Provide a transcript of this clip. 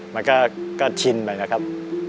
มันก็ชินไปนะครับ